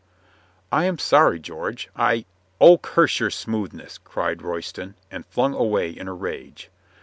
"I am sorry, George. I —" "Oh, curse your smoothness!" cried Royston, and flung away in a rage.